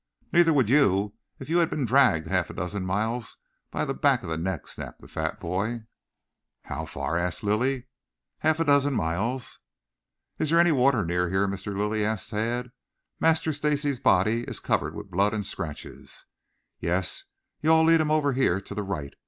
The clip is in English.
"Neither would you if you had been dragged half a dozen miles by the back of the neck," snapped the fat boy. "How far?" asked Lilly. "Half a dozen miles." "Is there any water near here, Mr. Lilly?" asked Tad. "Master Stacy's body is covered with blood and scratches." "Yes. You all lead him over here to the right.